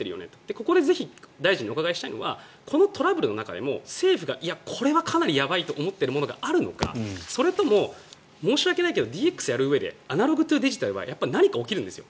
そこで大臣に確認したいのはこのトラブルの中でも政府がこれはかなりやばいと思っているものがあるのかそれとも申し訳ないけどＤＸをやるうえでアナログ・トゥ・デジタルは必ず何か起きるんですよ。